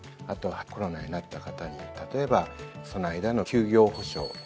あとはコロナになった方に例えばその間の休業補償。